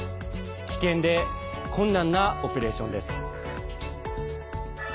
危険で困難なオペレーションです。